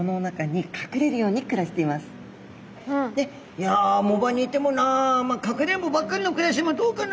「いや藻場にいてもなかくれんぼばっかりの暮らしもどうかな？」。